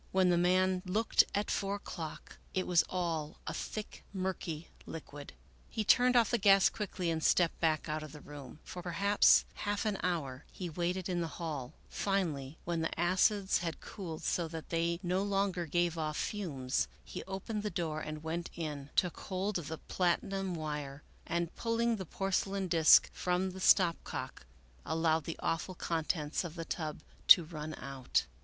When the man looked at four o'clock, it was all a thick murky liquid. He turned off the gas quickly and stepped back out of the room. For 84 Melville Davisson Post perhaps half an hour he waited in the hall ; finally, when the acids had cooled so that they no longer gave off fumes, he opened the door and went in, took hold of the platinum wire and, pulling the porcelain disk from the stopcock, allowed the awful contents of the tub to run out.